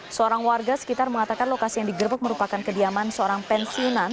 seorang warga sekitar mengatakan lokasi yang digerebek merupakan kediaman seorang pensiunan